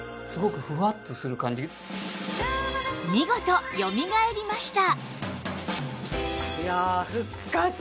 見事よみがえりました！